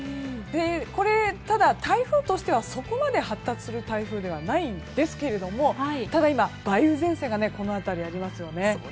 これただ、台風としてはそこまで発達する台風ではないんですけれどもただ、今、梅雨前線がこの辺りにありますよね。